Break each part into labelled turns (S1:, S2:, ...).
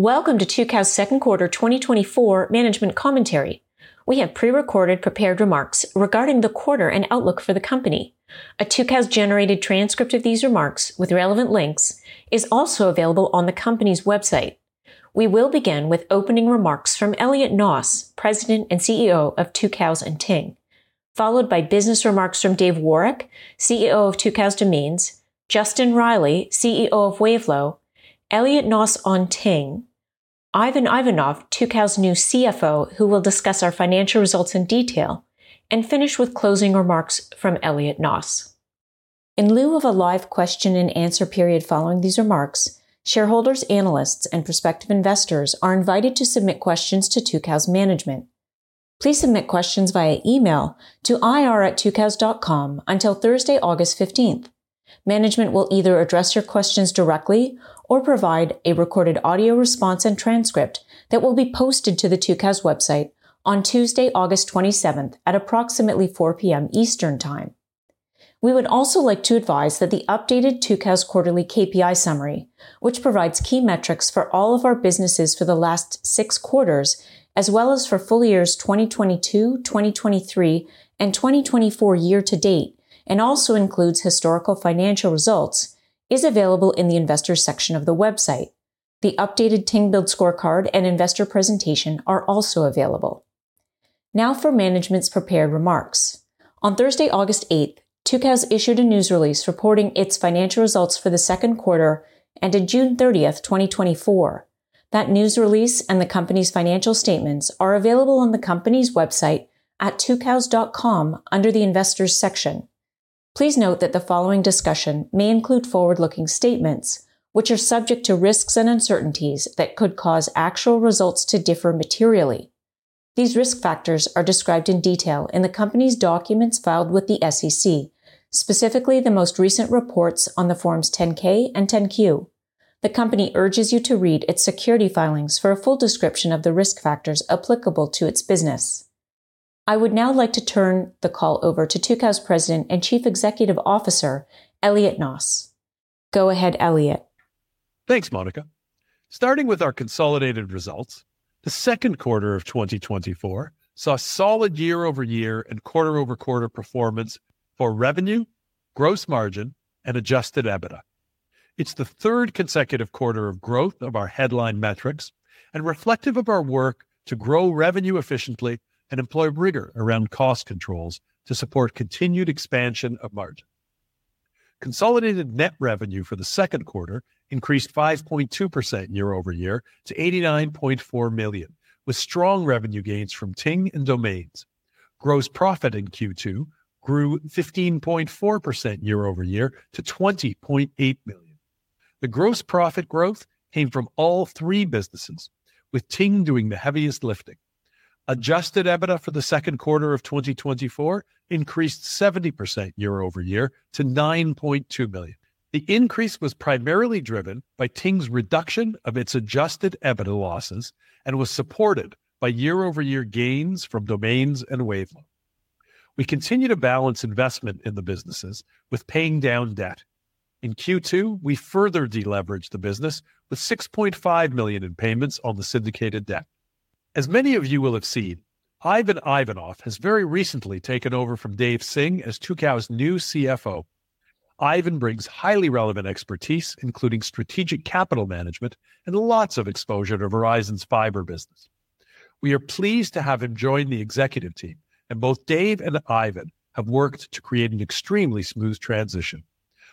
S1: Welcome to Tucows' Q2 2024 management commentary. We have pre-recorded prepared remarks regarding the quarter and outlook for the company. A Tucows-generated transcript of these remarks, with relevant links, is also available on the company's website. We will begin with opening remarks from Elliot Noss, President and CEO of Tucows and Ting, followed by business remarks from Dave Woroch, CEO of Tucows Domains, Justin Reilly, CEO of Wavelo, Elliot Noss on Ting, Ivan Ivanov, Tucows' new CFO, who will discuss our financial results in detail, and finish with closing remarks from Elliot Noss. In lieu of a live question-and-answer period following these remarks, shareholders, analysts, and prospective investors are invited to submit questions to Tucows Management. Please submit questions via email to ir@tucows.com until Thursday, August 15th. Management will either address your questions directly or provide a recorded audio response and transcript that will be posted to the Tucows website on Tuesday, August 27, at approximately 4:00 P.M. Eastern Time. We would also like to advise that the updated Tucows quarterly KPI summary, which provides key metrics for all of our businesses for the last six quarters, as well as for full years 2022, 2023, and 2024 year to date, and also includes historical financial results, is available in the Investors section of the website. The updated Ting Build Scorecard and investor presentation are also available. Now for management's prepared remarks. On Thursday, August 8, Tucows issued a news release reporting its financial results for the Q2 ended June 30, 2024. That news release and the company's financial statements are available on the company's website at tucows.com under the Investors section. Please note that the following discussion may include forward-looking statements, which are subject to risks and uncertainties that could cause actual results to differ materially. These risk factors are described in detail in the company's documents filed with the SEC, specifically the most recent reports on the Forms 10-K and 10-Q. The company urges you to read its securities filings for a full description of the risk factors applicable to its business. I would now like to turn the call over to Tucows' President and Chief Executive Officer, Elliot Noss. Go ahead, Elliot.
S2: Thanks, Monica. Starting with our consolidated results, the Q2 of 2024 saw solid year-over-year and quarter-over-quarter performance for revenue, gross margin, and Adjusted EBITDA. It's the third consecutive quarter of growth of our headline metrics and reflective of our work to grow revenue efficiently and employ rigor around cost controls to support continued expansion of margin. Consolidated net revenue for the Q2 increased 5.2% year-over-year to $89.4 million, with strong revenue gains from Ting and Domains. Gross profit in Q2 grew 15.4% year-over-year to $20.8 million. The gross profit growth came from all three businesses, with Ting doing the heaviest lifting. Adjusted EBITDA for the Q2 of 2024 increased 70% year-over-year to $9.2 million. The increase was primarily driven by Ting's reduction of its Adjusted EBITDA losses and was supported by year-over-year gains from Domains and Wavelo. We continue to balance investment in the businesses with paying down debt. In Q2, we further deleveraged the business with $6.5 million in payments on the syndicated debt. As many of you will have seen, Ivan Ivanov has very recently taken over from Dave Singh as Tucows' new CFO. Ivan brings highly relevant expertise, including strategic capital management and lots of exposure to Verizon's fiber business. We are pleased to have him join the executive team, and both Dave and Ivan have worked to create an extremely smooth transition.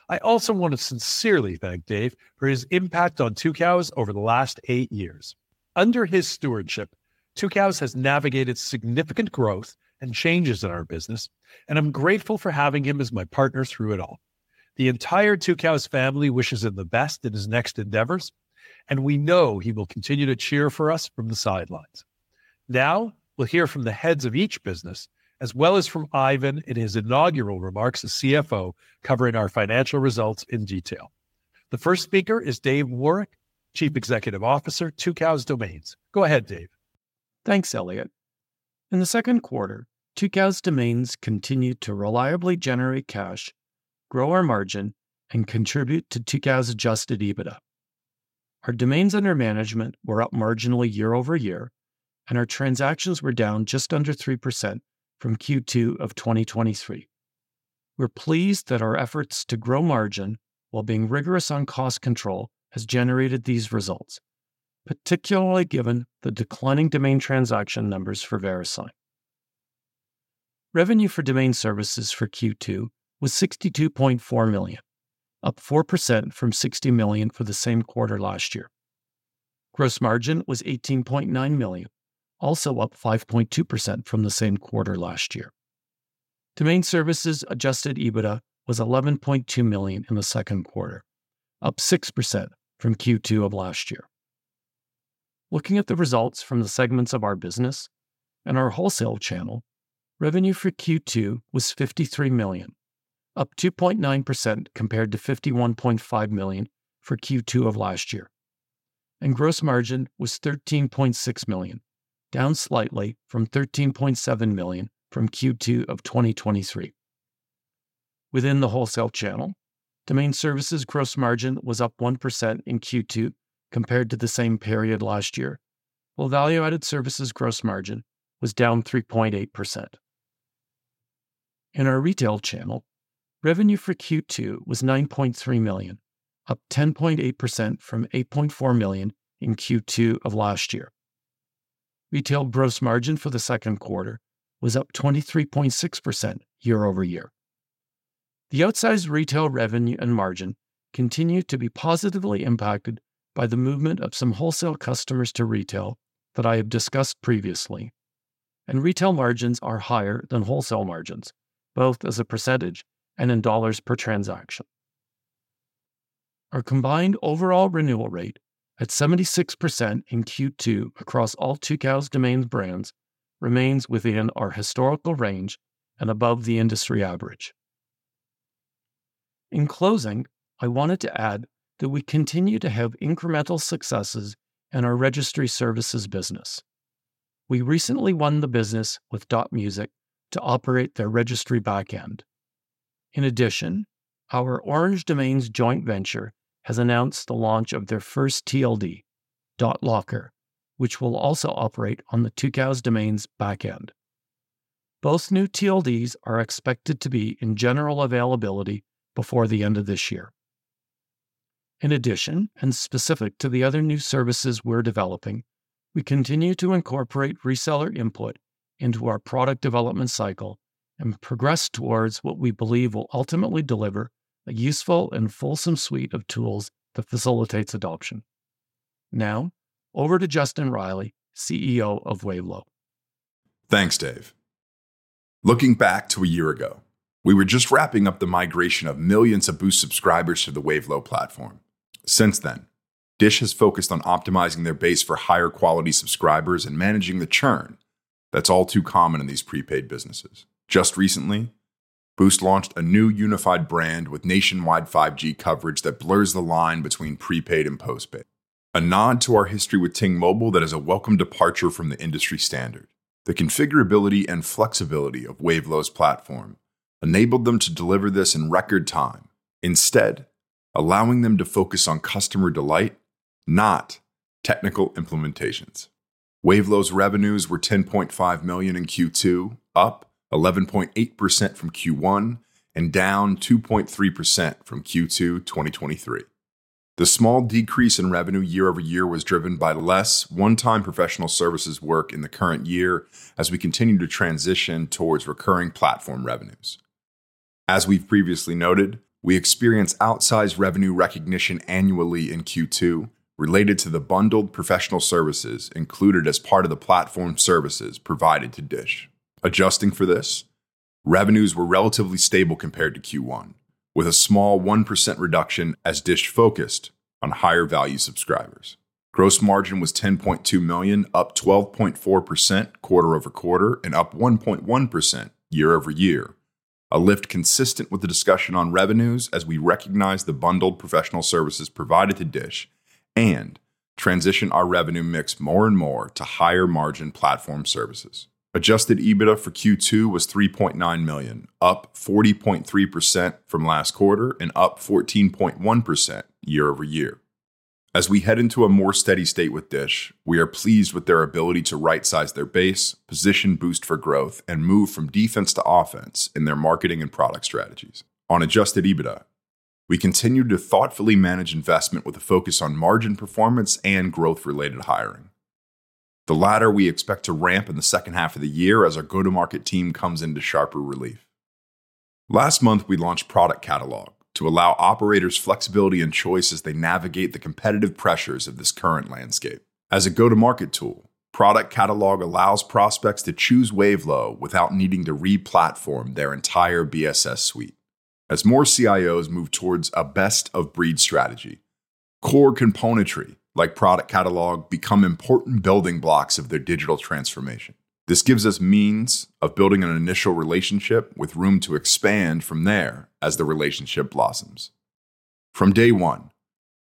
S2: I also want to sincerely thank Dave for his impact on Tucows over the last eight years. Under his stewardship, Tucows has navigated significant growth and changes in our business, and I'm grateful for having him as my partner through it all. The entire Tucows family wishes him the best in his next endeavors, and we know he will continue to cheer for us from the sidelines. Now, we'll hear from the heads of each business, as well as from Ivan in his inaugural remarks as CFO, covering our financial results in detail. The first speaker is Dave Woroch, Chief Executive Officer, Tucows Domains. Go ahead, Dave.
S3: Thanks, Elliot. In the Q2, Tucows Domains continued to reliably generate cash, grow our margin, and contribute to Tucows adjusted EBITDA. Our domains under management were up marginally year-over-year, and our transactions were down just under 3% from Q2 of 2023. We're pleased that our efforts to grow margin while being rigorous on cost control has generated these results, particularly given the declining domain transaction numbers for Verisign. Revenue for domain services for Q2 was $62.4 million, up 4% from $60 million for the same quarter last year. Gross margin was $18.9 million, also up 5.2% from the same quarter last year. Domain services adjusted EBITDA was $11.2 million in the Q2, up 6% from Q2 of last year. Looking at the results from the segments of our business and our wholesale channel, revenue for Q2 was $53 million, up 2.9% compared to $51.5 million for Q2 of last year. Gross margin was $13.6 million, down slightly from $13.7 million from Q2 of 2023. Within the wholesale channel, domain services gross margin was up 1% in Q2 compared to the same period last year, while value-added services gross margin was down 3.8%. In our retail channel, revenue for Q2 was $9.3 million, up 10.8% from $8.4 million in Q2 of last year. Retail gross margin for the Q2 was up 23.6% year-over-year. The outsized retail revenue and margin continued to be positively impacted by the movement of some wholesale customers to retail that I have discussed previously, and retail margins are higher than wholesale margins, both as a percentage and in dollars per transaction. Our combined overall renewal rate at 76% in Q2 across all Tucows Domains brands, remains within our historical range and above the industry average. In closing, I wanted to add that we continue to have incremental successes in our registry services business. We recently won the business with .music to operate their registry back-end. In addition, our Orange Domains joint venture has announced the launch of their first TLD, .locker, which will also operate on the Tucows Domains back-end. Both new TLDs are expected to be in general availability before the end of this year. In addition, and specific to the other new services we're developing, we continue to incorporate reseller input into our product development cycle and progress towards what we believe will ultimately deliver a useful and fulsome suite of tools that facilitates adoption. Now, over to Justin Reilly, CEO of Wavelo.
S4: Thanks, Dave. Looking back to a year ago, we were just wrapping up the migration of millions of Boost subscribers to the Wavelo platform. Since then, Dish has focused on optimizing their base for higher-quality subscribers and managing the churn that's all too common in these prepaid businesses. Just recently, Boost launched a new unified brand with nationwide 5G coverage that blurs the line between prepaid and postpaid, a nod to our history with Ting Mobile that is a welcome departure from the industry standard. The configurability and flexibility of Wavelo's platform enabled them to deliver this in record time, instead allowing them to focus on customer delight, not technical implementations. Wavelo's revenues were $10.5 million in Q2, up 11.8% from Q1 and down 2.3% from Q2 2023. The small decrease in revenue year-over-year was driven by less one-time professional services work in the current year as we continue to transition towards recurring platform revenues. As we've previously noted, we experience outsized revenue recognition annually in Q2 related to the bundled professional services included as part of the platform services provided to DISH. Adjusting for this, revenues were relatively stable compared to Q1, with a small 1% reduction as DISH focused on higher-value subscribers. Gross margin was $10.2 million, up 12.4% quarter-over-quarter and up 1.1% year-over-year, a lift consistent with the discussion on revenues as we recognize the bundled professional services provided to DISH and transition our revenue mix more and more to higher-margin platform services. Adjusted EBITDA for Q2 was $3.9 million, up 40.3% from last quarter and up 14.1% year-over-year. As we head into a more steady state with Dish, we are pleased with their ability to right-size their base, position Boost for growth, and move from defense to offense in their marketing and product strategies. On adjusted EBITDA, we continued to thoughtfully manage investment with a focus on margin performance and growth-related hiring. The latter we expect to ramp in the second half of the year as our go-to-market team comes into sharper relief. Last month, we launched Product Catalog to allow operators flexibility and choice as they navigate the competitive pressures of this current landscape. As a go-to-market tool, Product Catalog allows prospects to choose Wavelo without needing to re-platform their entire BSS suite. As more CIOs move towards a best-of-breed strategy, core componentry, like Product Catalog, become important building blocks of their digital transformation. This gives us means of building an initial relationship with room to expand from there as the relationship blossoms. From day one,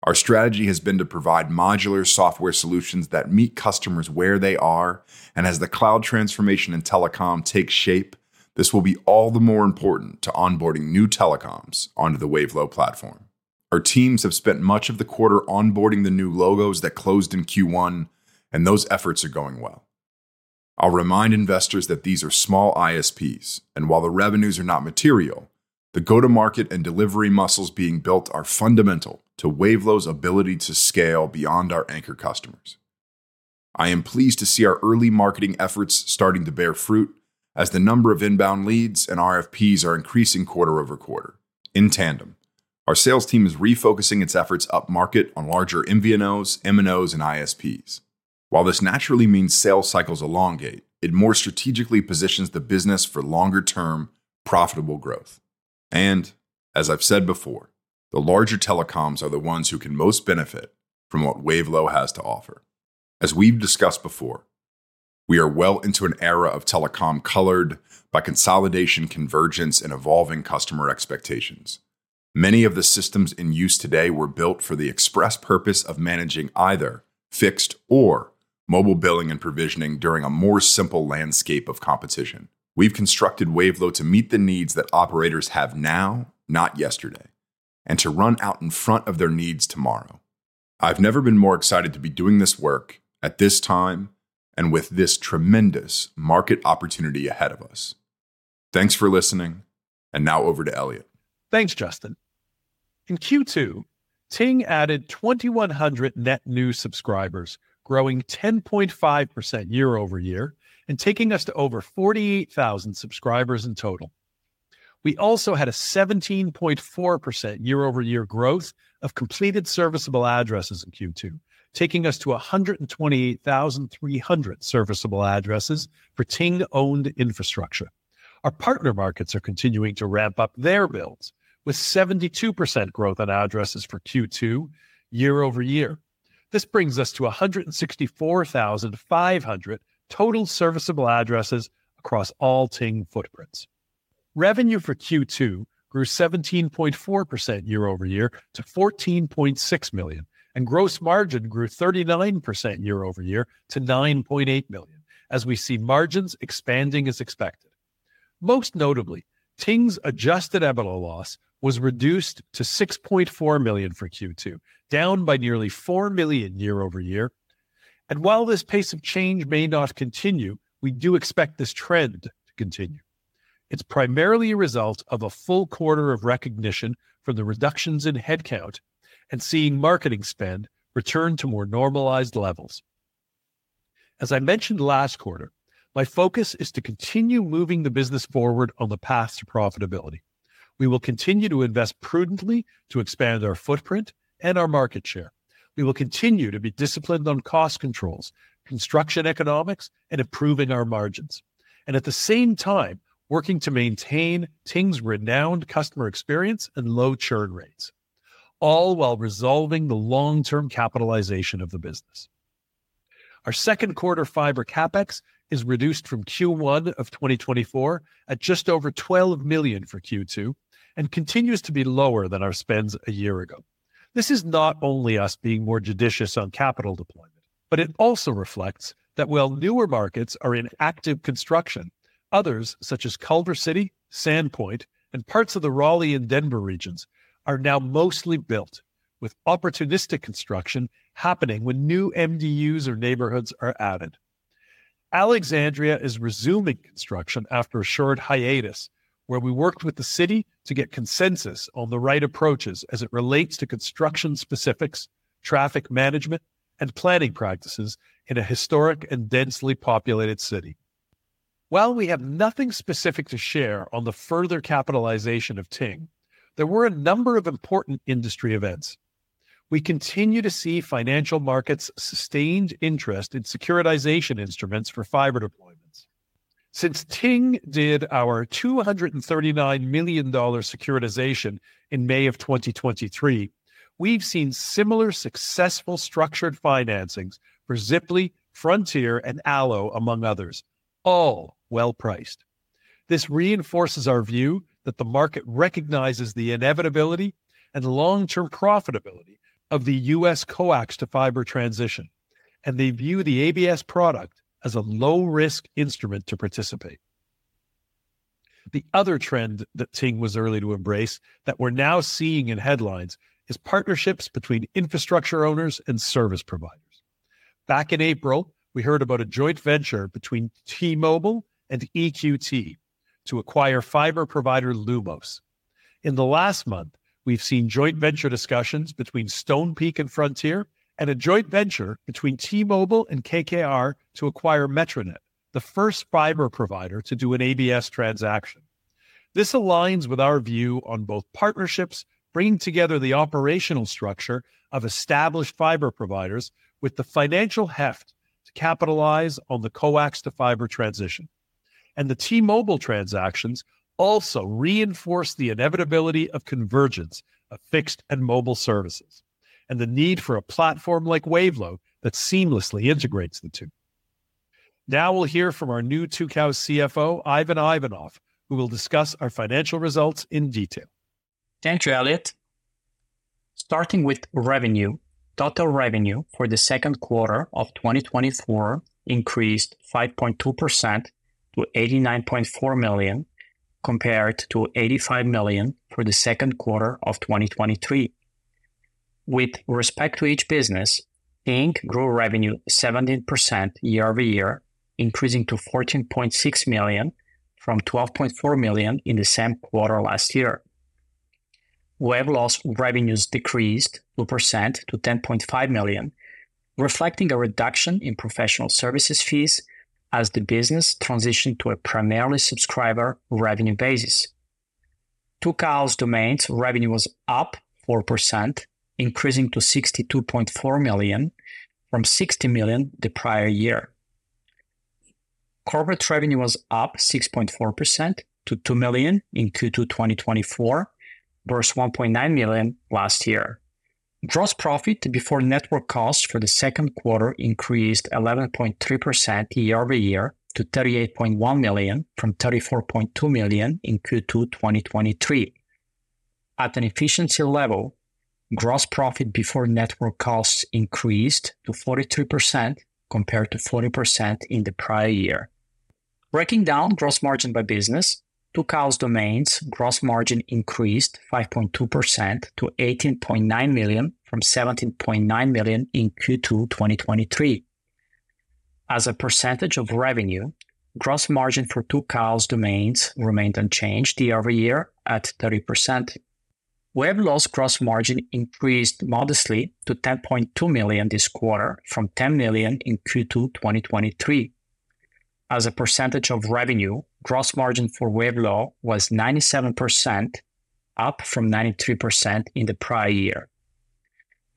S4: our strategy has been to provide modular software solutions that meet customers where they are, and as the cloud transformation in telecom takes shape, this will be all the more important to onboarding new telecoms onto the Wavelo platform. Our teams have spent much of the quarter onboarding the new logos that closed in Q1, and those efforts are going well. I'll remind investors that these are small ISPs, and while the revenues are not material, the go-to-market and delivery muscles being built are fundamental to Wavelo's ability to scale beyond our anchor customers. I am pleased to see our early marketing efforts starting to bear fruit as the number of inbound leads and RFPs are increasing quarter over quarter. In tandem, our sales team is refocusing its efforts upmarket on larger MVNOs, MNOs, and ISPs. While this naturally means sales cycles elongate, it more strategically positions the business for longer-term, profitable growth. And as I've said before, the larger telecoms are the ones who can most benefit from what Wavelo has to offer. As we've discussed before, we are well into an era of telecom colored by consolidation, convergence, and evolving customer expectations.... Many of the systems in use today were built for the express purpose of managing either fixed or mobile billing and provisioning during a more simple landscape of competition. We've constructed Wavelo to meet the needs that operators have now, not yesterday, and to run out in front of their needs tomorrow. I've never been more excited to be doing this work at this time and with this tremendous market opportunity ahead of us. Thanks for listening, and now over to Elliot.
S2: Thanks, Justin. In Q2, Ting added 2,100 net new subscribers, growing 10.5% year-over-year and taking us to over 48,000 subscribers in total. We also had a 17.4% year-over-year growth of completed serviceable addresses in Q2, taking us to 128,300 serviceable addresses for Ting-owned infrastructure. Our partner markets are continuing to ramp up their builds, with 72% growth on addresses for Q2 year-over-year. This brings us to 164,500 total serviceable addresses across all Ting footprints. Revenue for Q2 grew 17.4% year-over-year to $14.6 million, and gross margin grew 39% year-over-year to $9.8 million, as we see margins expanding as expected. Most notably, Ting's adjusted EBITDA loss was reduced to $6.4 million for Q2, down by nearly $4 million year-over-year. While this pace of change may not continue, we do expect this trend to continue. It's primarily a result of a full quarter of recognition for the reductions in headcount and seeing marketing spend return to more normalized levels. As I mentioned last quarter, my focus is to continue moving the business forward on the path to profitability. We will continue to invest prudently to expand our footprint and our market share. We will continue to be disciplined on cost controls, construction economics, and improving our margins, and at the same time, working to maintain Ting's renowned customer experience and low churn rates, all while resolving the long-term capitalization of the business. Our Q2 fiber CapEx is reduced from Q1 of 2024 at just over $12 million for Q2 and continues to be lower than our spends a year ago. This is not only us being more judicious on capital deployment, but it also reflects that while newer markets are in active construction, others, such as Culver City, Sandpoint, and parts of the Raleigh and Denver regions, are now mostly built, with opportunistic construction happening when new MDUs or neighborhoods are added. Alexandria is resuming construction after a short hiatus, where we worked with the city to get consensus on the right approaches as it relates to construction specifics, traffic management, and planning practices in a historic and densely populated city. While we have nothing specific to share on the further capitalization of Ting, there were a number of important industry events. We continue to see financial markets' sustained interest in securitization instruments for fiber deployments. Since Ting did our $239 million securitization in May 2023, we've seen similar successful structured financings for Ziply, Frontier, and Allo, among others, all well-priced. This reinforces our view that the market recognizes the inevitability and long-term profitability of the U.S. coax to fiber transition, and they view the ABS product as a low-risk instrument to participate. The other trend that Ting was early to embrace that we're now seeing in headlines is partnerships between infrastructure owners and service providers. Back in April, we heard about a joint venture between T-Mobile and EQT to acquire fiber provider Lumos. In the last month, we've seen joint venture discussions between Stonepeak and Frontier, and a joint venture between T-Mobile and KKR to acquire MetroNet, the first fiber provider to do an ABS transaction. This aligns with our view on both partnerships, bringing together the operational structure of established fiber providers with the financial heft to capitalize on the coax to fiber transition. The T-Mobile transactions also reinforce the inevitability of convergence of fixed and mobile services and the need for a platform like Wavelo that seamlessly integrates the two. Now we'll hear from our new Tucows CFO, Ivan Ivanov, who will discuss our financial results in detail.
S5: Thank you, Elliot. Starting with revenue, total revenue for the Q2 of 2024 increased 5.2% to $89.4 million, compared to $85 million for the Q2 of 2023. With respect to each business, Ting grew revenue 17% year-over-year, increasing to $14.6 million from $12.4 million in the same quarter last year. Wavelo's revenues decreased 2% to $10.5 million, reflecting a reduction in professional services fees as the business transitioned to a primarily subscriber revenue basis. Tucows Domains revenue was up 4%, increasing to $62.4 million from $60 million the prior year. Corporate revenue was up 6.4% to $2 million in Q2 2024 versus $1.9 million last year. Gross profit before network costs for the Q2 increased 11.3% year-over-year to $38.1 million, from $34.2 million in Q2 2023. At an efficiency level, gross profit before network costs increased to 43%, compared to 40% in the prior year. Breaking down gross margin by business, Tucows Domains' gross margin increased 5.2% to $18.9 million from $17.9 million in Q2 2023. As a percentage of revenue, gross margin for Tucows Domains remained unchanged year-over-year at 30%. Wavelo's gross margin increased modestly to $10.2 million this quarter from $10 million in Q2 2023. As a percentage of revenue, gross margin for Wavelo was 97%, up from 93% in the prior year.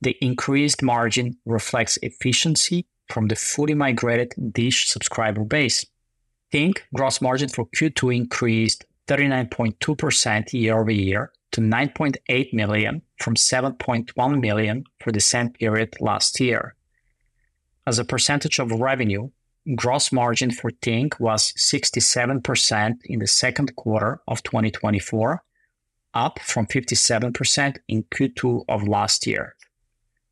S5: The increased margin reflects efficiency from the fully-migrated Dish subscriber base. Ting gross margin for Q2 increased 39.2% year-over-year to $9.8 million, from $7.1 million for the same period last year. As a percentage of revenue, gross margin for Ting was 67% in the Q2 of 2024, up from 57% in Q2 of last year.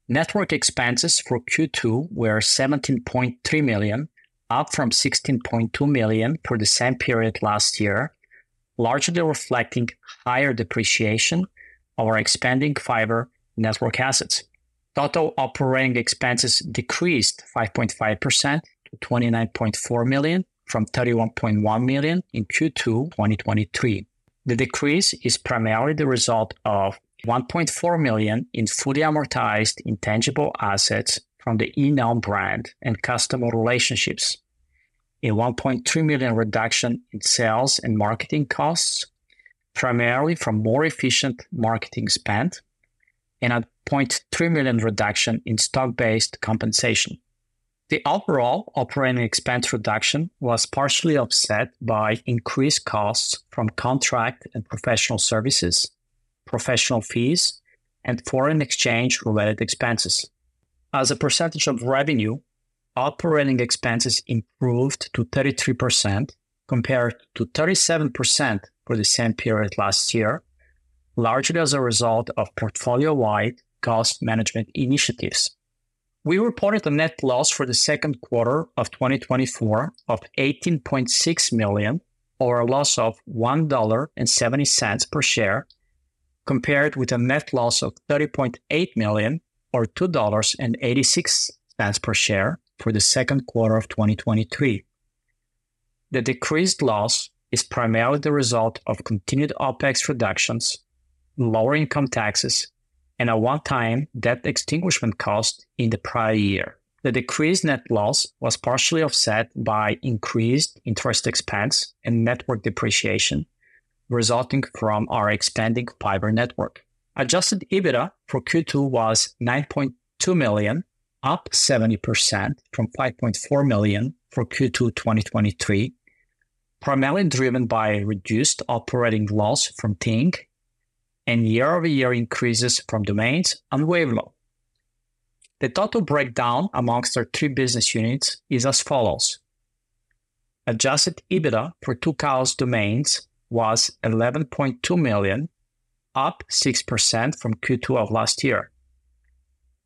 S5: Network expenses for Q2 were $17.3 million, up from $16.2 million for the same period last year, largely reflecting higher depreciation of our expanding fiber network assets. Total operating expenses decreased 5.5% to $29.4 million from $31.1 million in Q2 2023. The decrease is primarily the result of $1.4 million in fully amortized intangible assets from the email brand and customer relationships, a $1.3 million reduction in sales and marketing costs, primarily from more efficient marketing spend, and a $0.3 million reduction in stock-based compensation. The overall operating expense reduction was partially offset by increased costs from contract and professional services, professional fees, and foreign exchange-related expenses. As a percentage of revenue, operating expenses improved to 33% compared to 37% for the same period last year, largely as a result of portfolio-wide cost management initiatives. We reported a net loss for the Q2 of 2024 of $18.6 million, or a loss of $1.70 per share, compared with a net loss of $30.8 million, or $2.86 per share for the Q2 of 2023. The decreased loss is primarily the result of continued OpEx reductions, lower income taxes, and a one-time debt extinguishment cost in the prior year. The decreased net loss was partially offset by increased interest expense and network depreciation resulting from our expanding fiber network. Adjusted EBITDA for Q2 was $9.2 million, up 70% from $5.4 million for Q2 2023, primarily driven by reduced operating loss from Ting and year-over-year increases from Domains and Wavelo. The total breakdown among our three business units is as follows: Adjusted EBITDA for Tucows Domains was $11.2 million, up 6% from Q2 of last year.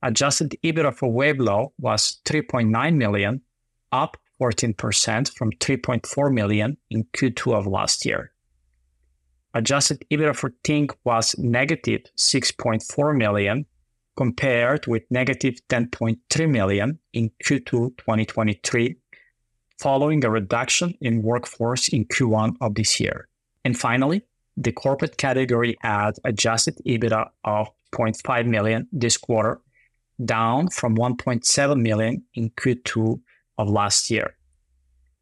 S5: Adjusted EBITDA for Wavelo was $3.9 million, up 14% from $3.4 million in Q2 of last year. Adjusted EBITDA for Ting was -$6.4 million, compared with -$10.3 million in Q2 2023, following a reduction in workforce in Q1 of this year. And finally, the corporate category had adjusted EBITDA of $0.5 million this quarter, down from $1.7 million in Q2 of last year.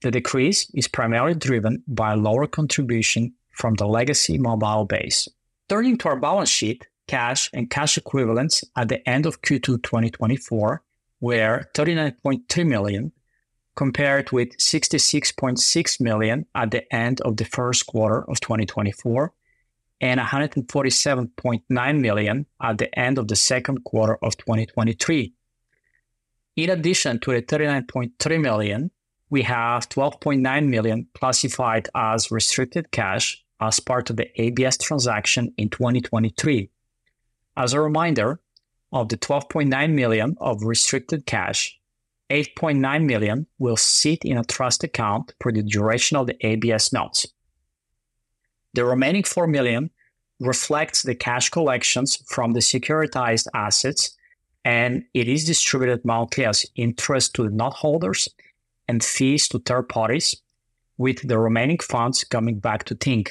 S5: The decrease is primarily driven by lower contribution from the legacy mobile base. Turning to our balance sheet, cash and cash equivalents at the end of Q2, 2024, were $39.3 million, compared with $66.6 million at the end of the Q1 of 2024, and $147.9 million at the end of the Q2 of 2023. In addition to the $39.3 million, we have $12.9 million classified as restricted cash as part of the ABS transaction in 2023. As a reminder, of the $12.9 million of restricted cash, $8.9 million will sit in a trust account for the duration of the ABS notes. The remaining $4 million reflects the cash collections from the securitized assets, and it is distributed monthly as interest to the note holders and fees to third parties, with the remaining funds coming back to Ting.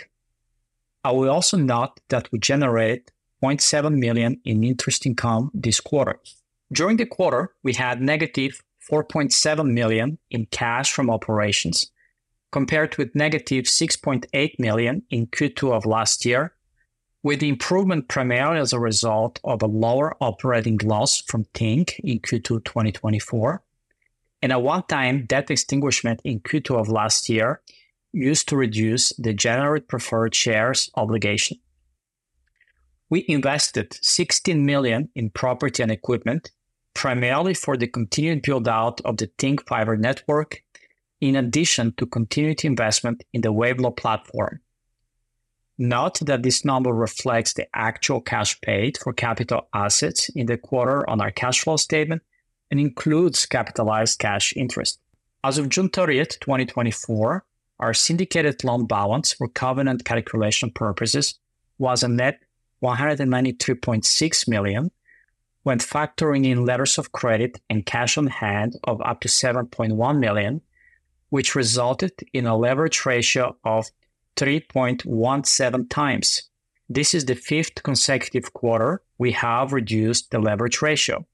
S5: I will also note that we generated $0.7 million in interest income this quarter. During the quarter, we had -$4.7 million in cash from operations, compared with -$6.8 million in Q2 of last year, with the improvement primarily as a result of a lower operating loss from Ting in Q2, 2024... and a one-time debt extinguishment in Q2 of last year used to reduce the general preferred shares obligation. We invested $16 million in property and equipment, primarily for the continued build-out of the Ting Fiber network, in addition to continued investment in the Wavelo platform. Note that this number reflects the actual cash paid for capital assets in the quarter on our cash flow statement and includes capitalized cash interest. As of June 30th, 2024, our syndicated loan balance for covenant calculation purposes was a net $192.6 million, when factoring in letters of credit and cash on hand of up to $7.1 million, which resulted in a leverage ratio of 3.17 times. This is the fifth consecutive quarter we have reduced the leverage ratio.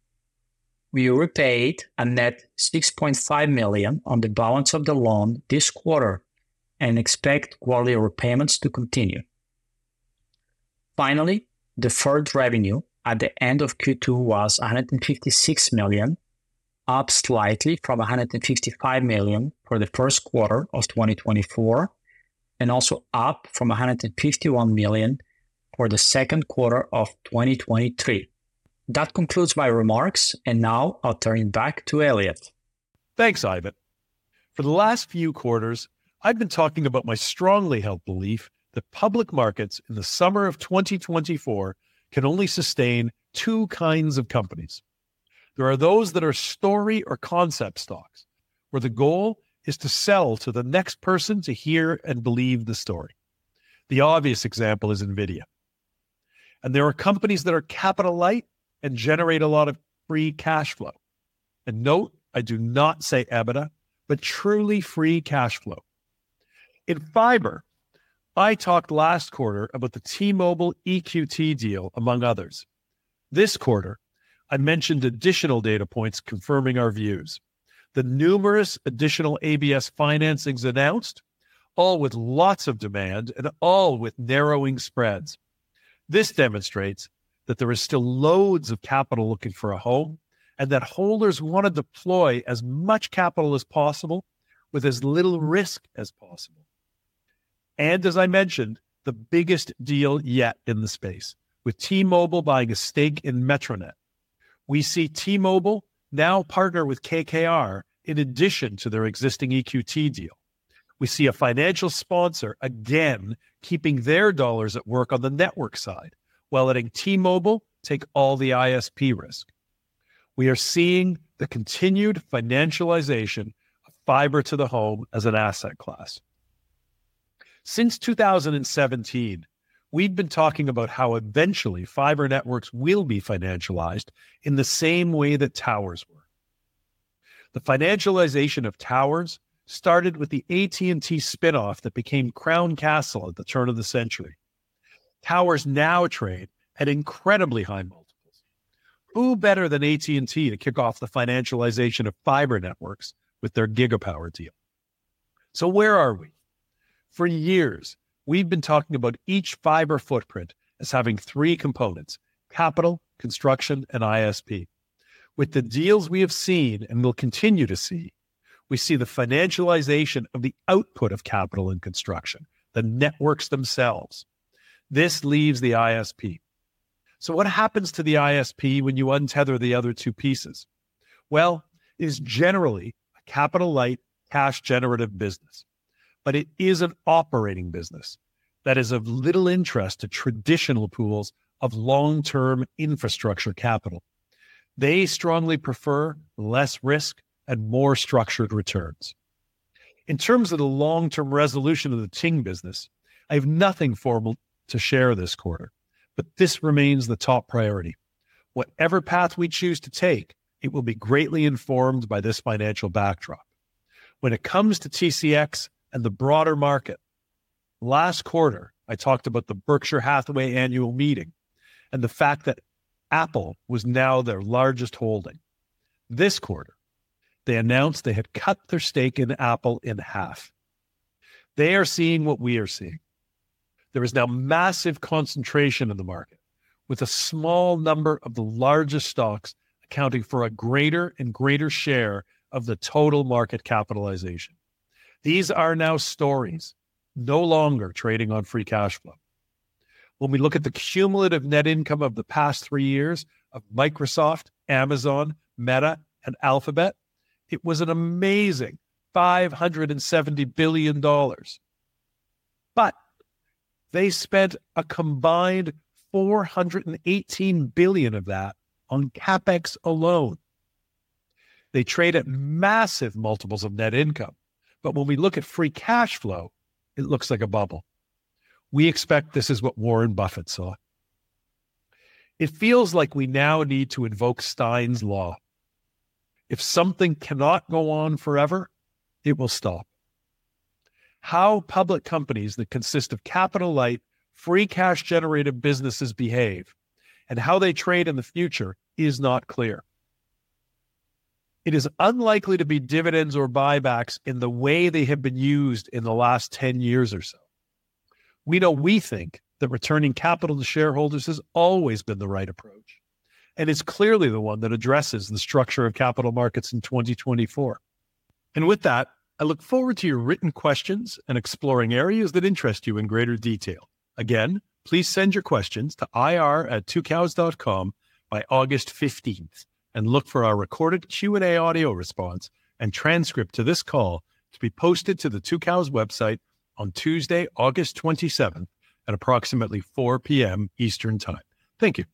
S5: We repaid a net $6.5 million on the balance of the loan this quarter and expect quarterly repayments to continue. Finally, deferred revenue at the end of Q2 was $156 million, up slightly from $155 million for the Q1 of 2024, and also up from $151 million for the Q2 of 2023. That concludes my remarks, and now I'll turn it back to Elliot.
S2: Thanks, Ivan. For the last few quarters, I've been talking about my strongly held belief that public markets in the summer of 2024 can only sustain two kinds of companies. There are those that are story or concept stocks, where the goal is to sell to the next person to hear and believe the story. The obvious example is NVIDIA, and there are companies that are capital light and generate a lot of free cash flow. And note, I do not say EBITDA, but truly free cash flow. In fiber, I talked last quarter about the T-Mobile EQT deal, among others. This quarter, I mentioned additional data points confirming our views. The numerous additional ABS financings announced, all with lots of demand and all with narrowing spreads. This demonstrates that there is still loads of capital looking for a home, and that holders want to deploy as much capital as possible with as little risk as possible. As I mentioned, the biggest deal yet in the space, with T-Mobile buying a stake in MetroNet. We see T-Mobile now partner with KKR in addition to their existing EQT deal. We see a financial sponsor again keeping their dollars at work on the network side, while letting T-Mobile take all the ISP risk. We are seeing the continued financialization of fiber to the home as an asset class. Since 2017, we've been talking about how eventually fiber networks will be financialized in the same way that towers were. The financialization of towers started with the AT&T spin-off that became Crown Castle at the turn of the century. Towers now trade at incredibly high multiples. Who better than AT&T to kick off the financialization of fiber networks with their Gigapower deal? So where are we? For years, we've been talking about each fiber footprint as having three components: capital, construction, and ISP. With the deals we have seen and will continue to see, we see the financialization of the output of capital and construction, the networks themselves. This leaves the ISP. So what happens to the ISP when you untether the other two pieces? Well, it is generally a capital-light, cash-generative business, but it is an operating business that is of little interest to traditional pools of long-term infrastructure capital. They strongly prefer less risk and more structured returns. In terms of the long-term resolution of the Ting business, I have nothing formal to share this quarter, but this remains the top priority. Whatever path we choose to take, it will be greatly informed by this financial backdrop. When it comes to TCX and the broader market, last quarter, I talked about the Berkshire Hathaway annual meeting and the fact that Apple was now their largest holding. This quarter, they announced they had cut their stake in Apple in half. They are seeing what we are seeing. There is now massive concentration in the market, with a small number of the largest stocks accounting for a greater and greater share of the total market capitalization. These are now stories, no longer trading on free cash flow. When we look at the cumulative net income of the past three years of Microsoft, Amazon, Meta, and Alphabet, it was an amazing $570 billion, but they spent a combined $418 billion of that on CapEx alone. They trade at massive multiples of net income, but when we look at free cash flow, it looks like a bubble. We expect this is what Warren Buffett saw. It feels like we now need to invoke Stein's law: If something cannot go on forever, it will stop. How public companies that consist of capital-light, free cash-generative businesses behave and how they trade in the future is not clear. It is unlikely to be dividends or buybacks in the way they have been used in the last 10 years or so. We know we think that returning capital to shareholders has always been the right approach, and it's clearly the one that addresses the structure of capital markets in 2024. And with that, I look forward to your written questions and exploring areas that interest you in greater detail. Again, please send your questions to ir@tucows.com by August fifteenth, and look for our recorded Q&A audio response and transcript to this call to be posted to the Tucows website on Tuesday, August twenty-seventh, at approximately 4:00PM Eastern Time. Thank you.